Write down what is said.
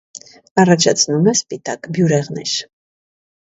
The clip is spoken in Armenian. Առաջացնում է սպիտակ բյուրեղներ։